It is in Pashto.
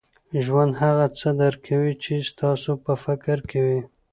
ژوند هغه څه درکوي، چي ستاسو په فکر کي وي.